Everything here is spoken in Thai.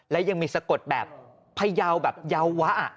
และยังมีสะกดแบบพยาวแบบเยาวะ